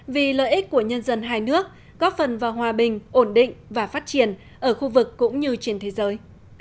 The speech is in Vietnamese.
vì lợi ích của nhân dân hai nước góp phần vào hòa bình ổn định và phát triển ở khu vực cũng như trên thế giới